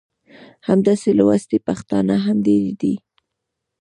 همداسې لوستي پښتانه هم ډېر دي.